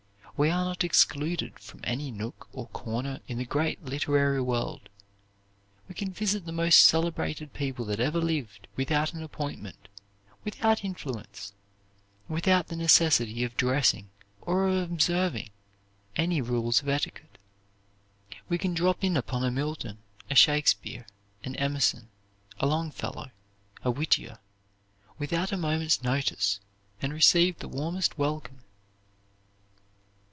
We are not excluded from any nook or corner in the great literary world; we can visit the most celebrated people that ever lived without an appointment, without influence, without the necessity of dressing or of observing any rules of etiquette. We can drop in upon a Milton, a Shakespeare, an Emerson, a Longfellow, a Whittier without a moment's notice and receive the warmest welcome.